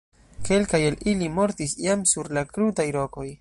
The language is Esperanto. Kelkaj el ili mortis jam sur la krutaj rokoj.